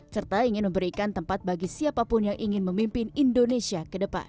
serta ingin memberikan tempat bagi siapapun yang ingin memimpin indonesia ke depan